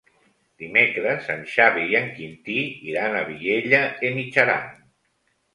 Dimecres en Xavi i en Quintí iran a Vielha e Mijaran.